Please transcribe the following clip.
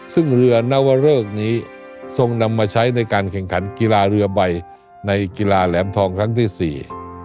ซึ่งเรือนวเริกนี้ทรงนำมาใช้ในการแข่งขันกีฬาเรือใบในกีฬาแหลมทองครั้งที่สี่